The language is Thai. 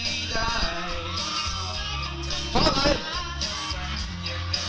ยอมรอดก่อนยอมรอดก่อน